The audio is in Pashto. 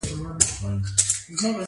آیا دا قانون د ټولنې نظم نه ساتي؟